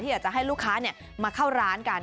อยากจะให้ลูกค้ามาเข้าร้านกัน